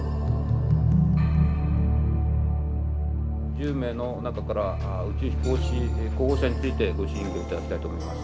１０名の中から宇宙飛行士候補者についてご審議を頂きたいと思います。